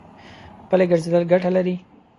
پلي ګرځېدل ګټه لري.